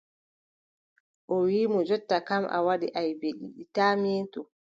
O wiʼi mo: jonta kam, a waɗi aybe ɗiɗi taa meetu.